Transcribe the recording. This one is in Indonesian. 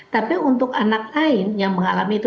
tapi untuk anak lain yang mengalami itu